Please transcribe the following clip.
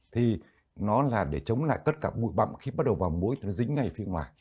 thì nó là để chống lại tất cả bụi bậm khi bắt đầu vào mũi nó dính ngay phía ngoài